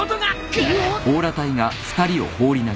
くっ！